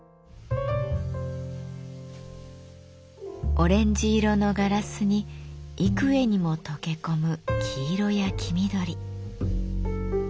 オレンジ色のガラスに幾重にも溶け込む黄色や黄緑。